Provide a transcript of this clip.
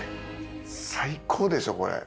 最高でしょこれ。